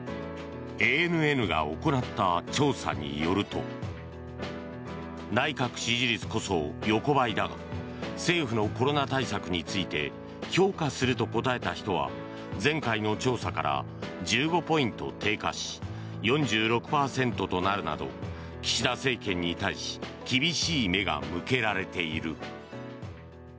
ＡＮＮが行った調査によると内閣支持率こそ横ばいだが政府のコロナ対策について評価すると答えた人は前回の調査から１５ポイント低下し４６％となるなど岸田政権に対し厳しい目が向けられている。